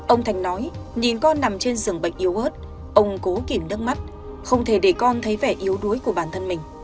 ông thanh nói nhìn con nằm trên giường bệnh yếu ớt ông cố kìm nước mắt không thể để con thấy vẻ yếu đuối của bản thân mình